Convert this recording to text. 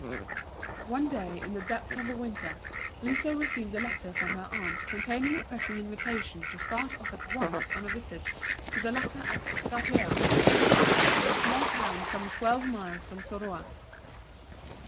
One day, in the depth of winter, Liso received a letter from her aunt containing a pressing invitation to start off at once on a visit to the latter at Skatea, a small town some twelve miles from Soroa.